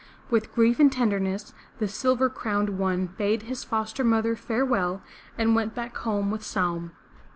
With grief and tenderness, the Silver Crowned One bade his foster mother farewell and went back home with Saum.